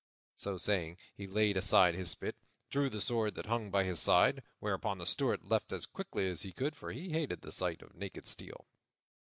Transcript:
So saying, he laid aside his spit and drew the sword that hung by his side; whereupon the Steward left as quickly as he could, for he hated the sight of naked steel.